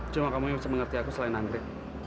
cuma kamu yang bisa mengerti aku selain antri